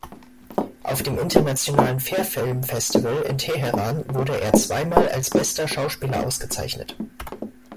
Auf dem Internationalen Fajr-Filmfestival in Teheran wurde er zweimal als bester Schauspieler ausgezeichnet.